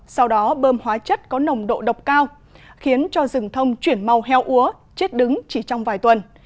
sau đó bơm hóa chất có nồng độ độc cao khiến cho rừng thông chuyển màu heo úa chết đứng chỉ trong vài tuần